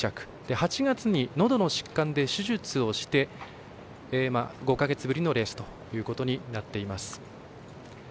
８月にのどの疾患で手術をして５か月ぶりのレースということになっています。